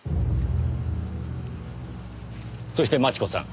そして真智子さん。